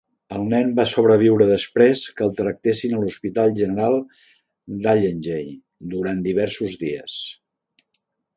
El nen va sobreviure després que el tractessin a l'Hospital General d'Allegheny durant diversos dies.